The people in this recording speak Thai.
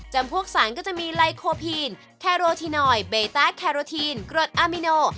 พวกสารก็จะมีไลโคพีนแคโรทีนอยเบต้าแคโรทีนกรดอามิโน